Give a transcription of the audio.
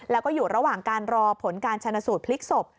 แล้วก็อยู่ระหว่างการรอผลการชนะสูตรพลิกศพ